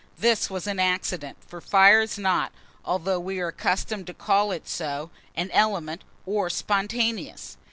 This was an accident; for fire is not, although we are accustomed to call it so, an element, or spontaneous.